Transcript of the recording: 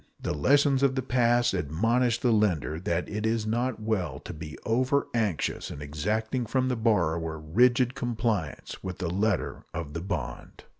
The lessons of the past admonish the lender that it is not well to be over anxious in exacting from the borrower rigid compliance with the letter of the bond.